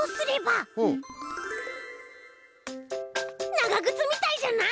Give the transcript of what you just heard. ながぐつみたいじゃない？